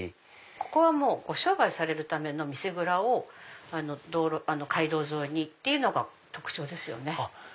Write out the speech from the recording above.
ここはもうご商売されるための店蔵を街道沿いにっていうのが特徴ですよね。